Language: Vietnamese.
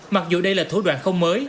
mặc dù đây là thố đoạn không mới